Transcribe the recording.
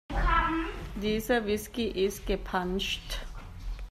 Dieser Whisky ist gepanscht.